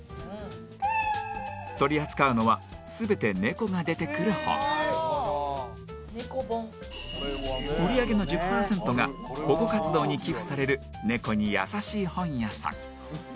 取り扱うのは全て猫が出てくる本「猫本」売り上げの１０パーセントが保護活動に寄付される猫に優しい本屋さん